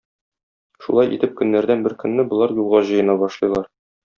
Шулай итеп көннәрдән бер көнне болар юлга җыена башлыйлар.